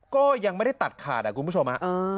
ก็ยังไม่ได้ตัดขาดอ่ะคุณผู้ชมฮะ